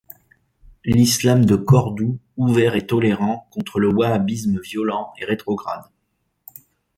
L’islam de Cordoue ouvert et tolérant contre le wahhabisme violent et rétrograde.